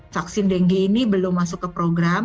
vaksin dengue ini belum masuk ke program